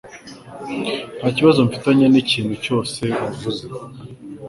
Nta kibazo mfitanye nikintu cyose wavuze